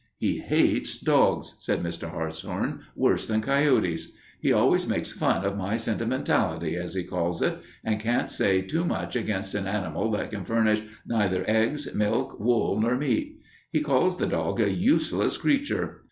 "He hates dogs," said Mr. Hartshorn, "worse than coyotes. He always makes fun of my sentimentality, as he calls it, and can't say too much against an animal that can furnish neither eggs, milk, wool, nor meat. He calls the dog a useless creature.